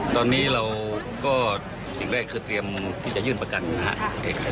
ตอนนี้เราก็สิ่งแรกคือเตรียมที่จะยื่นประกันนะครับ